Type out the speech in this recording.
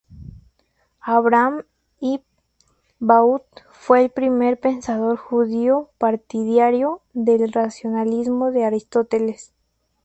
Abraham ibn Daud fue el primer pensador judío partidario del racionalismo de Aristóteles.